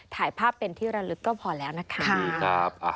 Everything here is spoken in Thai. ถ่ายภาพเป็นที่ระลึกก็พอแล้วนะคะ